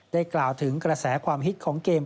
กล่าวถึงกระแสความฮิตของเกม